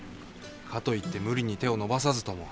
かといって無理に手を伸ばさずとも。